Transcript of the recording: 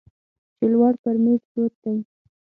چې لوړ پر میز پروت دی